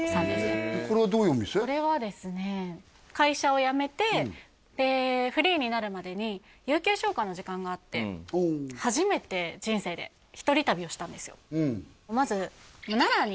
会社を辞めてフリーになるまでに有給消化の時間があって初めて人生で一人旅をしたんですよ